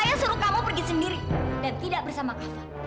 saya suruh kamu pergi sendiri dan tidak bersama kava